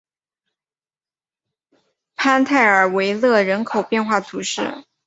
潘泰尔维勒人口变化图示